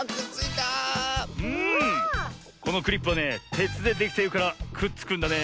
このクリップはねてつでできているからくっつくんだね。